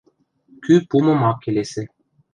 – Кӱ пумым ам келесӹ...